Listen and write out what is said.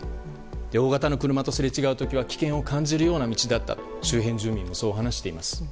大型の車とすれ違う時は危険を感じるような道だったと周辺住民はそう話しています。